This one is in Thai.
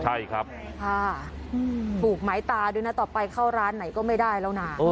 ใช่ครับค่ะถูกหมายตาด้วยนะต่อไปเข้าร้านไหนก็ไม่ได้แล้วนะ